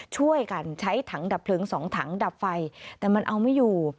ช่วยกันใช้ถังดับเพลิงสองถังดับไฟแต่มันเอาไม่อยู่